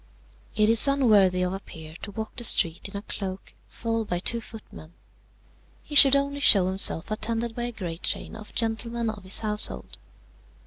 "It is unworthy of a peer to walk the street in a cloak, followed by two footmen. He should only show himself attended by a great train of gentlemen of his household.